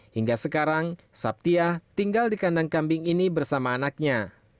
hingga sekarang sabtia tinggal di kandang kambing ini bersama anaknya